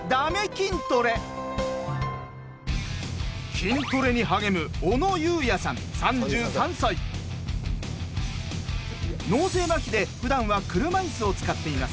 筋トレに励む脳性まひでふだんは車いすを使っています。